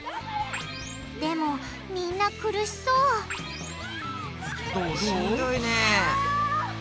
でもみんな苦しそうしんどいね。